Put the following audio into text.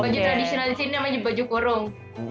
baju tradisional di sini namanya baju korum